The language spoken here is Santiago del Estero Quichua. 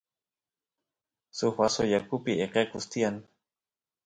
suk vasu yakupi eqequs tiyan